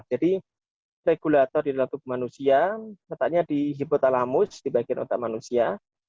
jadi regulator di dalam tubuh manusia katanya di hipotalamus di bagian otak manusia